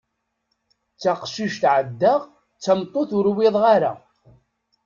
D taqcict ɛeddaɣ, d tameṭṭut ur iwiḍeɣ ara.